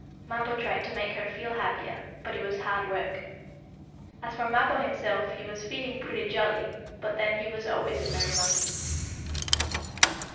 Mappo tried to make her feel happier, but it was hard work. As for Mappo, himself, he was feeling pretty jolly, but then he was always a merry monkey.